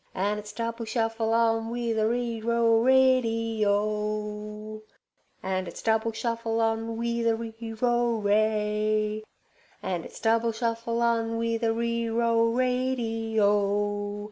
An' its double shuffle on we the re ro rady oh. An' its double shuffle on we the re ro ray. An' its double shuffle on we the re ro rady oh.